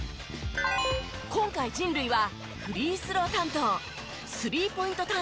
今回人類はフリースロー担当スリーポイント